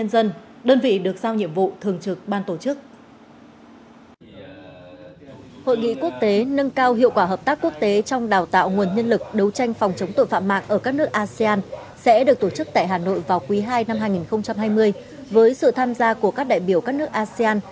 sẽ được tổ chức tại hà nội vào quý ii năm hai nghìn hai mươi với sự tham gia của các đại biểu các nước asean